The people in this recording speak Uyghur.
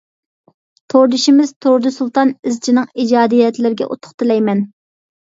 توردىشىمىز تۇردى سۇلتان ئىزچىنىڭ ئىجادىيەتلىرىگە ئۇتۇق تىلەيمەن!